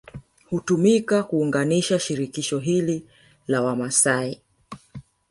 Htumika kuunganisha shirikisho hili la Wamaasai